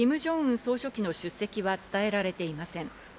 総書記の出席は伝えられていません。